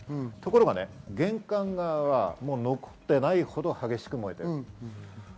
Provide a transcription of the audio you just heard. でも玄関側は残っていないほど激しく燃えている。